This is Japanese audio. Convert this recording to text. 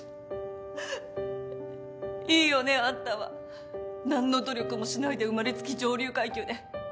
いいよねあんたは何の努力もしないで生まれつき上流階級で。